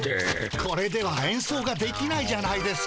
これではえんそうができないじゃないですか。